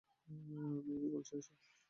মেয়ে কী বলছে এসব?